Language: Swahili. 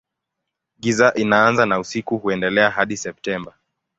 Giza inaanza na usiku huendelea hadi Septemba.